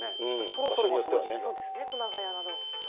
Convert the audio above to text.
そろそろその時熊谷など。